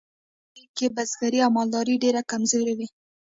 په لومړیو کې بزګري او مالداري ډیرې کمزورې وې.